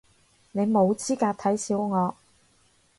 你冇資格睇小我